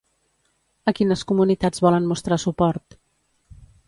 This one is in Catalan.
A quines comunitats volen mostrar suport?